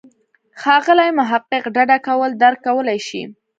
ښاغلی محق ډډه کول درک کولای شي.